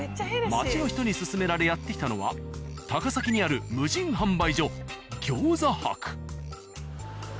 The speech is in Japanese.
街の人に薦められやって来たのは高崎にある無人販売所。